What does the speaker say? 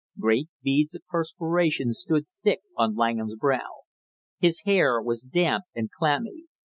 Great beads of perspiration stood thick on Langham's brow, his hair was damp and clammy.